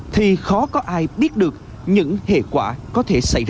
thì khó có ai biết được những hệ quả có thể xảy ra